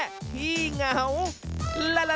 อีกหนึ่งวิธีแก้เหงา